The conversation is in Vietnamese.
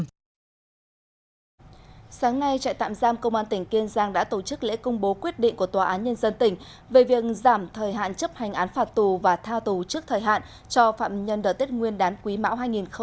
sáng nay trại tạm giam công an tỉnh kiên giang đã tổ chức lễ công bố quyết định của tòa án nhân dân tỉnh về việc giảm thời hạn chấp hành án phạt tù và tha tù trước thời hạn cho phạm nhân đợt tết nguyên đán quý mão hai nghìn hai mươi ba